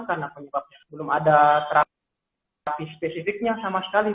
karena penyebabnya belum ada terapi spesifiknya sama sekali